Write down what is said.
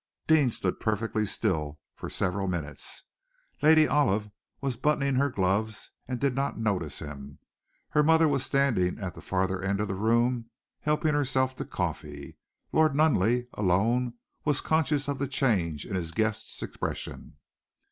Deane stood perfectly still for several minutes. Lady Olive was buttoning her gloves, and did not notice him. Her mother was standing at the further end of the room, helping herself to coffee. Lord Nunneley alone was conscious of the change in his guest's expression.